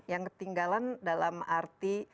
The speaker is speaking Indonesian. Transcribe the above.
yang ketinggalan dalam arti